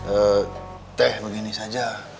eh teh begini saja